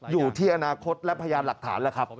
อยู่ที่อนาคตและพยานหลักฐานแล้วครับ